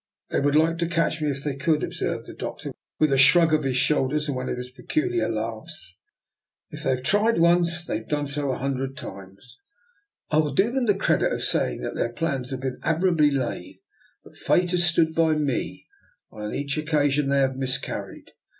" They would like to catch me if they could," observed the Doctor, with a shrug of his shoulders and one of his peculiar laughs. DR. NIKOLA'S EXPERIMENT. 147 "If they have tried once they have done so a hundred times. I will do them the credit of saying that their plans have been admirably laid, but Fate has stood by me, and on each occasion they have miscarried.